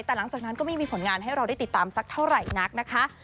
แต่หลังจากนั้นก็ไม่มีผลงานให้เราได้ติดตามสักเท่าไหร่นักนะคะ